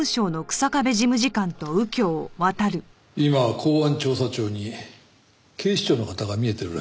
今公安調査庁に警視庁の方が見えてるらしい。